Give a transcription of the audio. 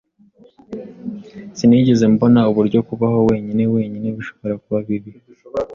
Sinigeze mbona uburyo kubaho wenyine wenyine bishobora kuba bibi.